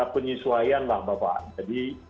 disuaian lah bapak jadi